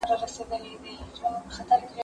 ته ولي واښه راوړې